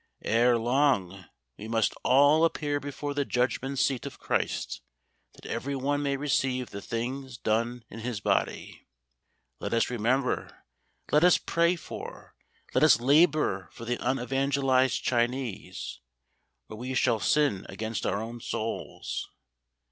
Ere long "we must all appear before the judgment seat of CHRIST; that every one may receive the things done in his body." Let us remember, let us pray for, let us labour for the unevangelised Chinese; or we shall sin against our own souls.